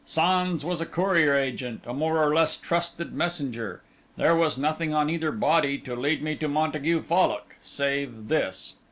Sans was a courier agent, a more or less trusted messenger. There was nothing on either body to lead me to Montague Fallock, save this."